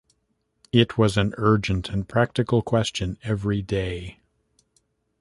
It was an urgent and practical question every day.